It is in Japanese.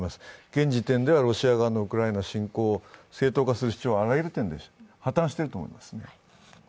現時点ではロシア側のウクライナ侵攻を正当化することはあらゆる点で破綻していると思います。